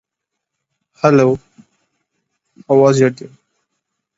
She was shown as a grotesque woman with a pale and ghastly look.